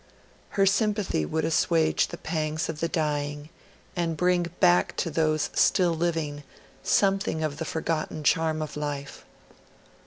Her sympathy would assuage the pangs of dying and bring back to those still living something of the forgotten charm of life.